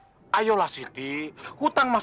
kang saya betul betul belum ada uang bapak